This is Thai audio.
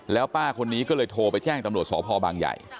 แล้วป้าคนนี้ก็เลยโทรไปแจ้งตำรวจสพบางใหญ่